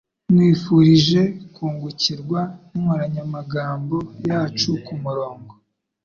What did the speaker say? Nkwifurije kungukirwa ninkoranyamagambo yacu kumurongo